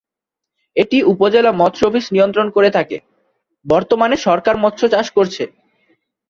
এটি উপজেলা মৎস্য অফিস নিয়ন্ত্রণ করে থাকে বর্তমানে সরকার মৎস চাষ করছে।